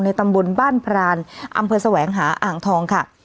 ตำบลบ้านพรานอำเภอแสวงหาอ่างทองค่ะ